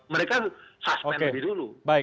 mereka suspen lebih dulu